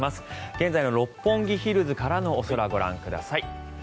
現在の六本木ヒルズからのお空ご覧ください。